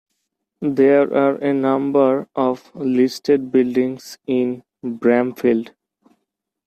There are a number of listed buildings in Bramfield.